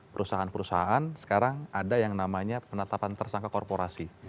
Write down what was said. perusahaan perusahaan sekarang ada yang namanya penetapan tersangka korporasi